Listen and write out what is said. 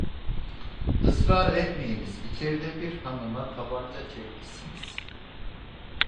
Israr etmeyiniz, içerde bir hanıma tabanca çekmişsiniz.